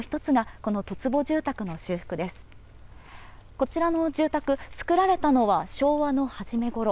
こちらの住宅、造られたのは昭和の初めごろ。